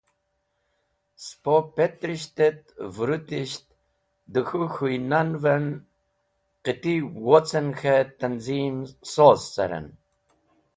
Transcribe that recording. Spo petrisht et vũrũtisht da k̃hũ k̃hũynan’v en qiti wocen k̃he tanzim soz caren.